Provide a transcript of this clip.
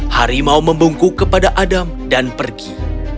harimau membungku kepada adam dan pergi